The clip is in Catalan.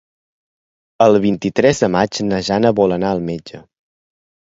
El vint-i-tres de maig na Jana vol anar al metge.